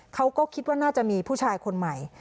เขาก็คิดว่าน่าจะมีผู้ชายคนใหม่